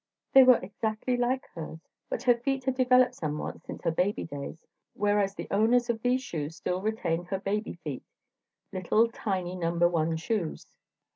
They were exactly like hers, but her feet had developed somewhat since her baby days, whereas the owner of these shoes still retained her baby feet, little tiny number one shoes!